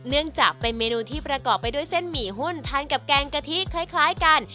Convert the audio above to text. เนื่องจากเป็นเมนูที่ประกอบไปด้วยเส้นหมี่หุ้นทานกับแกงกะทิคล้ายกัน